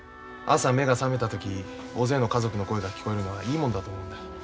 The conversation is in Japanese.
朝目が覚めた時大勢の家族の声が聞こえるのはいいもんだと思うんだ。